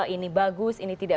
ini bagus ini tidak